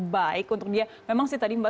baik untuk dia memang sih tadi mbak